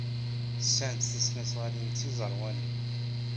Sɛant tisnasɣalin d tiẓerwalin.